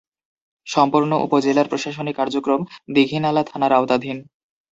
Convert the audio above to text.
সম্পূর্ণ উপজেলার প্রশাসনিক কার্যক্রম দীঘিনালা থানার আওতাধীন।